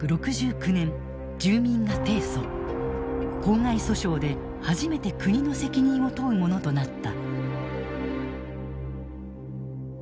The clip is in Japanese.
公害訴訟で初めて国の責任を問うものとなった。